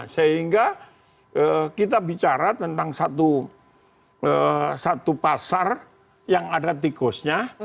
sehingga kita bicara tentang satu pasar yang ada tikusnya